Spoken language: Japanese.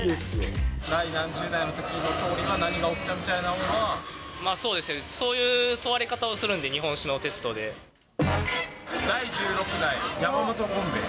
第何十代のときの総理が何がそうですね、そういう問われ方をするんで、第１６代山本権兵衛。